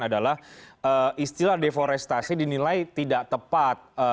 adalah istilah deforestasi dinilai tidak tepat